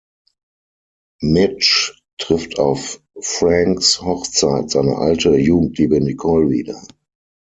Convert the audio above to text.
Mitch trifft auf Franks Hochzeit seine alte Jugendliebe Nicole wieder.